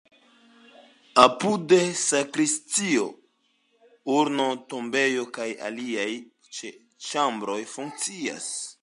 Apude sakristio, urno-tombejo kaj aliaj ĉambroj funkcias.